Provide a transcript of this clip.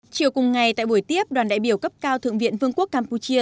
chiều cùng ngày tại buổi tiếp đoàn đại biểu cấp cao thượng viện vương quốc campuchia